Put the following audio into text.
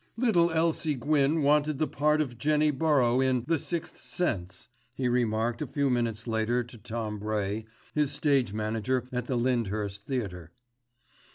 "Little Elsie Gwyn wanted the part of Jenny Burrow in The Sixth Sense," he remarked a few minutes later to Tom Bray, his stage manager at the Lyndhurst Theatre.